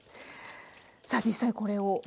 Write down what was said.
さあ実際これを。